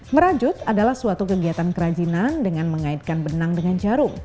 merajut adalah suatu kegiatan kerajinan dengan mengaitkan benang dengan jarum